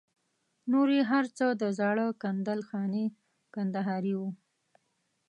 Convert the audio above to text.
نور یې هر څه د زاړه کندل خاني کندهاري وو.